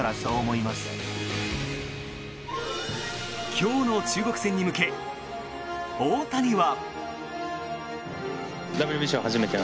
今日の中国戦に向け大谷は。